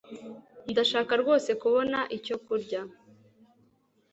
Ndashaka rwose kubona icyo kurya.